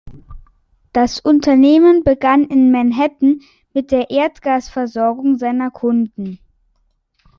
Das Unternehmen begann in Manhattan mit der Erdgasversorgung seiner Kunden.